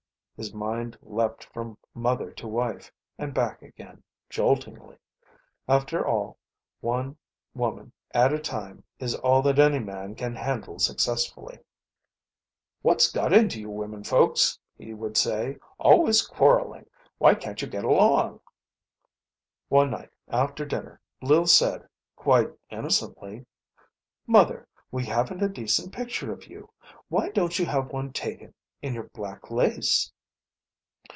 His mind leaped from mother to wife, and back again, joltingly. After all, one woman at a time is all that any man can handle successfully. "What's got into you women folks!" he would say. "Always quarrelling. Why can't you get along." One night after dinner Lil said, quite innocently, "Mother, we haven't a decent picture of you. Why don't you have one taken? In your black lace."